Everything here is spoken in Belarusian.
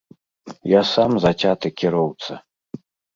Я сам зацяты кіроўца.